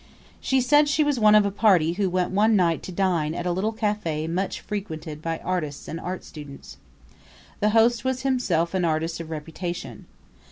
She said she was one of a party who went one night to dine at a little cafe much frequented by artists and art students. The host was himself an artist of reputation.